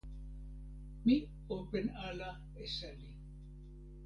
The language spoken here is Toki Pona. mi open ala e seli.